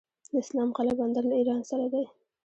د اسلام قلعه بندر له ایران سره دی